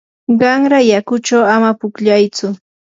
qanra yakuchaw ama pukllaytsu.